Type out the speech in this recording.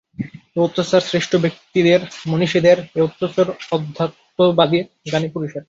এ-অত্যাচার শ্রেষ্ঠ ব্যক্তিদের, মনীষীদের, এ-অত্যাচার অধ্যাত্মবাদীর, জ্ঞানী পুরুষের।